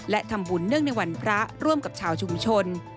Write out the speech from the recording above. และทำบุญเนื่องในวันพระร่วมกับชาวชุมชน